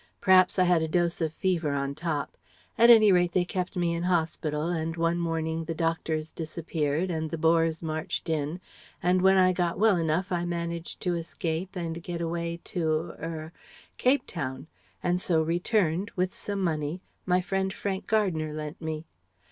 P'raps I had a dose of fever on top. At any rate they kept me in hospital, and one morning the doctors disappeared and the Boers marched in and when I got well enough I managed to escape and get away to er Cape Town and so returned with some money my friend Frank Gardner lent me."